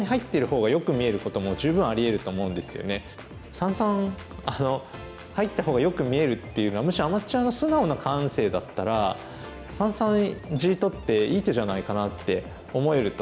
三々入った方がよく見えるっていうのはむしろアマチュアの素直な感性だったら三々地取っていい手じゃないかなって思えると思うんですね。